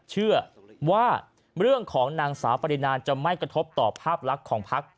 เชื่อว่าเรื่องของนางสาวปรินาจะไม่กระทบต่อภาพลักษณ์ของพัก